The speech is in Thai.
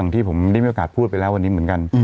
ที่ผมได้มีโอกาสพูดไปแล้ววันนี้เหมือนกัน